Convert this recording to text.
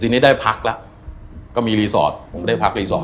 จริงได้พักแล้วก็มีรีสอร์ทไม่ได้พักลับไป